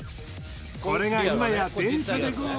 これが今や電車でＧＯ！！